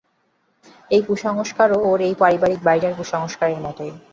এই কুসংস্কারও ওর এই পারিবারিক বাড়িটার কুসংস্কারেরই মতো।